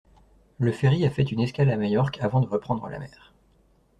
Le ferry a fait une escale à Majorque avant de reprendre la mer.